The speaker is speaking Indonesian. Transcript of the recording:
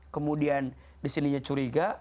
kemudian disininya curiga